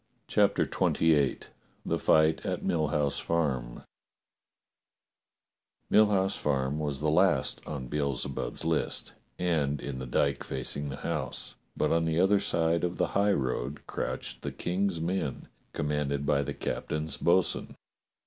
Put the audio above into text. CHAPTER XXVIII THE FIGHT AT MILL HOUSE FARM MILL HOUSE FARM was the last on Beelze bub's list, and in the dyke facing the house, but on the other side of the highroad crouched the King's men, commanded by the captain's bo'sun.